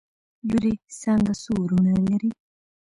لورې څانګه څو وروڼه لري؟؟